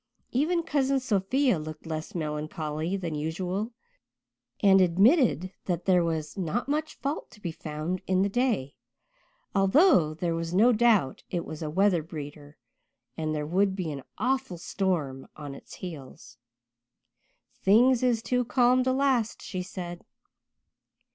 Even Cousin Sophia looked less melancholy than usual and admitted that there was not much fault to be found in the day, although there was no doubt it was a weather breeder and there would be an awful storm on its heels. "Things is too calm to last," she said.